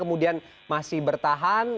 kemudian masih bertahan